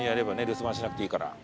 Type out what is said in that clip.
留守番しなくていいから。